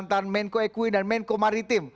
terima kasih pak jk